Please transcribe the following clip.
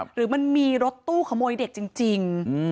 หรือมันมีรถตู้ขโมยเด็กจริง